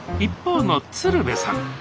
一方の鶴瓶さん。